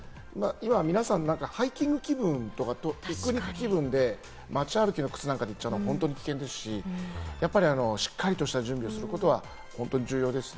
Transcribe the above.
皆さん、ハイキング気分、ピクニック気分で街歩きの靴なんかで行っちゃうんで本当に危険ですし、しっかりとした準備をすることは本当に重要ですね。